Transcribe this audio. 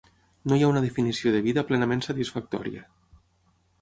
No hi ha una definició de vida plenament satisfactòria.